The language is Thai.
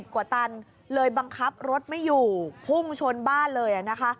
กว่าตันเลยบังคับรถไม่อยู่พุ่งชนบ้านเลยนะคะ